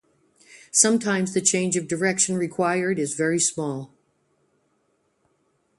Sometimes the change of direction required is very small.